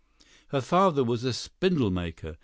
Her father was a spindle maker.